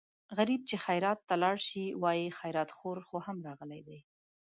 غریب چې خیرات ته لاړ شي وايي خیراتخور خو هم راغلی دی.